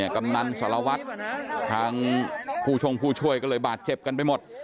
กำนันสารวัตรทางผู้ชงผู้ช่วยก็เลยบาดเจ็บกันไปหมด